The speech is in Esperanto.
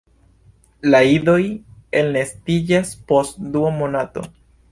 La idoj elnestiĝas post dua monato.